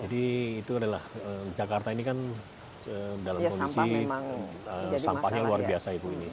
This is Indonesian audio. jadi itu adalah jakarta ini kan dalam kondisi sampahnya luar biasa ibu ini